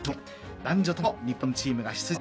男女とも日本チームが出場。